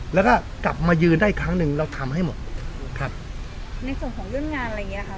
แล้วก็กลับมายืนได้อีกครั้งหนึ่งเราทำให้หมดครับในส่วนของเรื่องงานอะไรอย่างเงี้ค่ะ